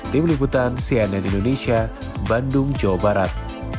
di meliputan cnn indonesia bandung jawa barat